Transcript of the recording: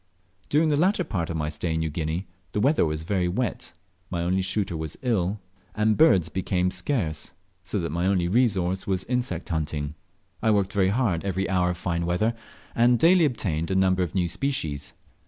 During the latter part of my stay in New Guinea the weather was very wet, my only shooter was ill, and birds became scarce, so that my only resource was insect hunting. I worked very hard every hour of fine weather, and daily obtained a number of new species.